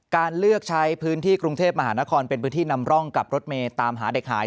การเลือกใช้พื้นที่กรุงเทพมหานครเป็นพื้นที่นำร่องกับรถเมย์ตามหาเด็กหาย